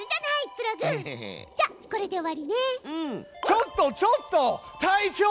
ちょっとちょっと隊長！